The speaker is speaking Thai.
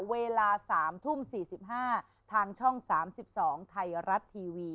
เวลา๓ทุ่ม๔๕ทางช่อง๓๒ไทยรัฐทีวี